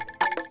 ya terima kasih